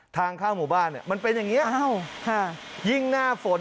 ทางเข้าหมู่บ้านเนี่ยมันเป็นอย่างนี้ยิ่งหน้าฝน